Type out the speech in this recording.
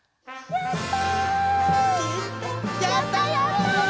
やった！